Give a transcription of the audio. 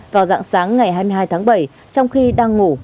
vào dạng sáng ngày hai mươi hai tháng bảy trong khi đang ngủ